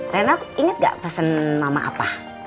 rena inget gak pesen mama apa